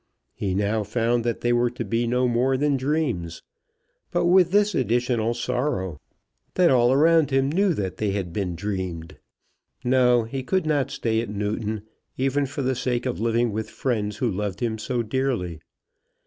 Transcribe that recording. He now found that they were to be no more than dreams; but with this additional sorrow, that all around him knew that they had been dreamed. No; he could not stay at Newton even for the sake of living with friends who loved him so dearly.